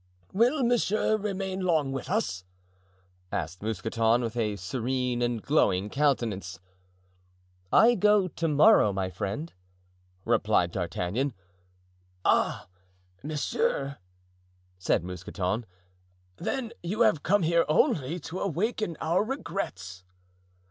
"Will monsieur remain long with us?" asked Mousqueton, with a serene and glowing countenance. "I go to morrow, my friend," replied D'Artagnan. "Ah, monsieur," said Mousqueton, "then you have come here only to awaken our regrets."